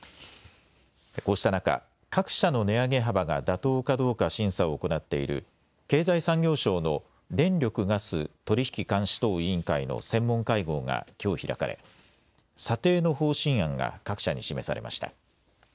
こうした中、各社の値上げ幅が妥当かどうか審査を行っている経済産業省の電力・ガス取引監視等委員会の専門会合がきょう開かれ、査定の方針案が各社に示されました。